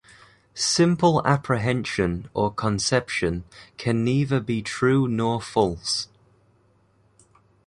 Simple apprehension or conception can neither be true nor false.